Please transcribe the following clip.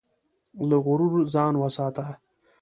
له غرور ځان وساته.